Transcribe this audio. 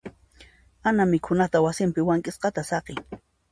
Ana mikhunata wasinpi wank'isqata saqin.